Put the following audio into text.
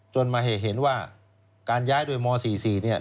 จนมาเห็นว่าการย้ายโดยอำนาจม๔๔